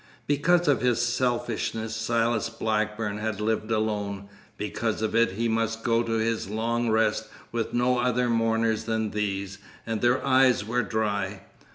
Because of his selfishness Silas Blackburn had lived alone. Because of it he must go to his long rest with no other mourners than these, and their eyes were dry.